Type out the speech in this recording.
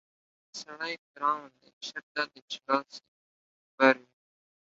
هر سړی فرعون دی، شرط دا دی چې لاس يې بر وي